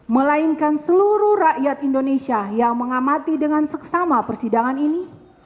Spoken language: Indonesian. melainkan seluruh rakyat indonesia yang mengamati dengan seksama persidangan ini